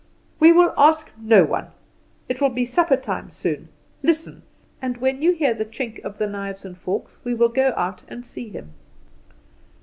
We will ask no one. It will be suppertime soon. Listen and when you hear the clink of the knives and forks we will go out and see him."